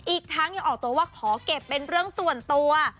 อีกทั้งยังออกตัวว่าขอเก็บเป็นเรื่องส่วนตัว